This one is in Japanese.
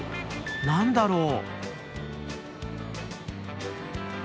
何だろう？